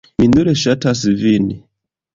Mi nur ŝatas vin!